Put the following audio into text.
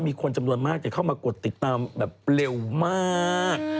มีคนจำนวนมากจะเข้ามากดติดตามแบบเร็วมาก